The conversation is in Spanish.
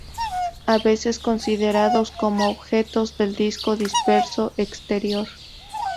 A veces considerados como objetos del disco disperso exterior.